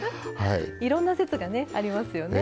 いろんな説がねありますよね。